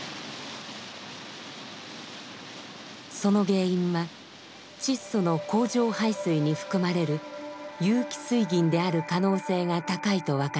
その原因はチッソの工場排水に含まれる有機水銀である可能性が高いと分かります。